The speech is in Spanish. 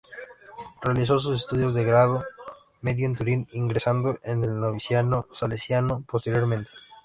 Realizó sus estudios de grado medio en Turín, ingresando en el noviciado salesiano posteriormente.